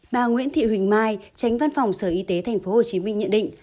bà nguyễn thị huỳnh mai tránh văn phòng sở y tế tp hcm nhận định